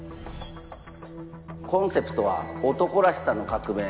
コンセプトは「男らしさの革命」。